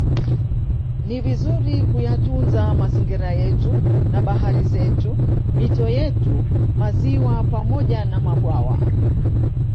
Ni vizuri kuyatunza mazingira yetu na bahari zetu mito yetu maziwa pamoja na mabwawa